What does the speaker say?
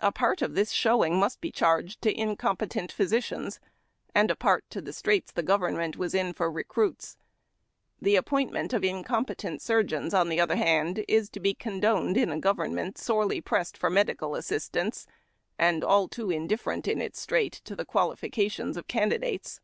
A part of this showing must be charged to incompetent physicians, and a part to the strait the government was in foi recruits. The appointment of incompetent surgeons, on the other hand, is to be condoned in a government sorely pressed for medical assistance, and all too indifferent, m us strait, to the qualifications of candidates.